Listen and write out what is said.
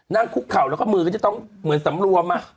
นั่งคุกเข่าแล้วก็มือก็จะต้องเหมือนสำรวม